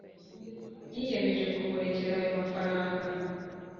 yiyemejeje kumurekera ayo mafaranga